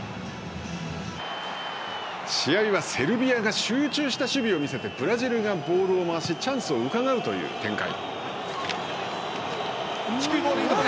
試合はセルビアが集中した守備を見せてブラジルがボールを回しチャンスを伺うという展開。